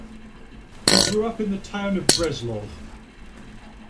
He grew up in the town of Breslov.